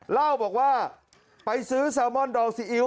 เล่าบอกว่าไปซื้อแซลมอนดองซีอิ๊ว